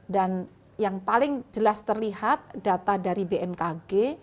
dan yang paling jelas terlihat data dari bmkg